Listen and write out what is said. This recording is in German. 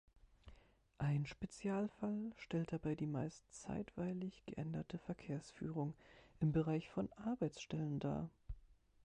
Ein Spezialfall stellt dabei die meist zeitweilig geänderte Verkehrsführung im Bereich von Arbeitsstellen dar.